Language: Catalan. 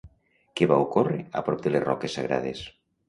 Què va ocórrer a prop de les Roques Sagrades?